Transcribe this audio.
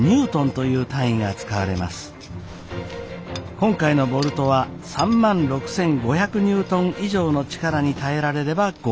今回のボルトは３万６，５００ニュートン以上の力に耐えられれば合格です。